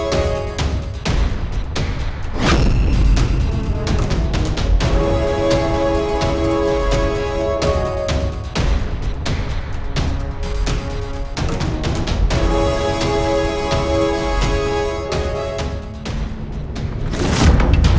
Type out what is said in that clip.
sepertinya efeknya lebih cerah saing jadi lebih